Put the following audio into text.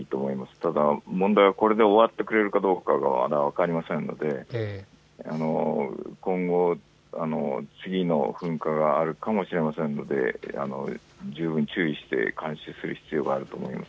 ただ問題はこれで終わってくれるかどうか分かりませんので、今後、次の噴火があるかもしれませんので十分注意して監視する必要があると思います。